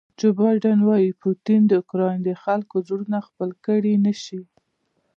جو بایډن وویل پوټین د اوکراین خلکو زړونه خپل کړي نه شي.